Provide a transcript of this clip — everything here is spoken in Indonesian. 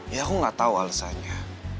ya aku gak tau alasannya